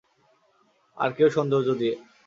আর কেউ সৌন্দর্য্য দিয়ে।